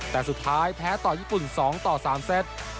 แต่สุดท้ายแพ้ต่อญี่ปุ่น๒ต่อ๓เซต